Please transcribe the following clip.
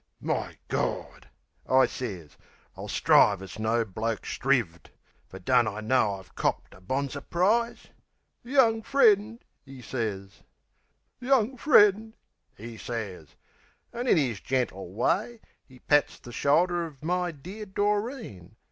"My Gawd!" I sez. "I'll strive as no bloke strivved! Fer don't I know I've copped a bonzer prize?" "Young friend," 'e sez. "Young friend," 'e sez. An' in 'is gentle way, 'E pats the shoulder of my dear Doreen.